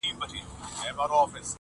قربانو مخه دي ښه.